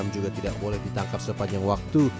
juga tidak boleh ditangkap sepanjang waktu